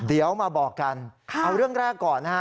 เดี๋ยวมาบอกกันเอาเรื่องแรกก่อนนะฮะ